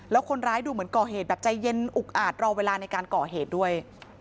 แล้วคนร้ายดูเหมือนก่อเหตุแบบใจเย็นอุกอาจรอเวลาในการก่อเหตุด้วย